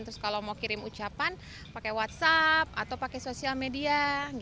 terus kalau mau kirim ucapan pakai whatsapp atau pakai sosial media